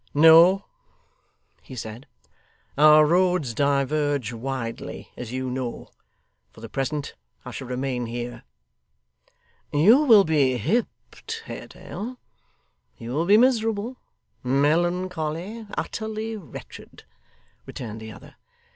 'No,' he said. 'Our roads diverge widely, as you know. For the present, I shall remain here.' 'You will be hipped, Haredale; you will be miserable, melancholy, utterly wretched,' returned the other.